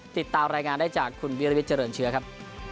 ติดตามรายงานได้จากคุณวิรวิทย์เจริญเชื้อครับ